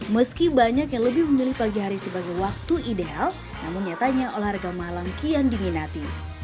meski banyak yang lebih memilih pagi hari sebagai waktu ideal namun nyatanya olahraga malam kian diminati